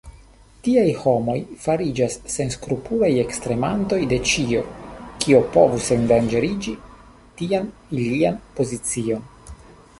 Tiaj homoj fariĝas senskrupulaj ekstermantoj de ĉio, kio povus endanĝerigi tian ilian pozicion.